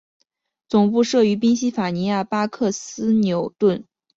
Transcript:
总部设于宾西法尼亚州巴克斯县纽顿。